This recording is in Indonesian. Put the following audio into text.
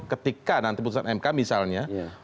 ketika nanti putusan mk misalnya